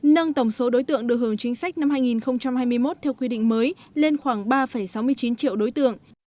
nâng tổng số đối tượng được hưởng chính sách năm hai nghìn hai mươi một theo quy định mới lên khoảng ba sáu mươi chín triệu đối tượng